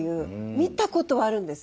見たことはあるんです。